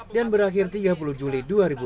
dan berakhir tiga puluh juli dua ribu dua puluh